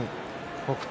北勝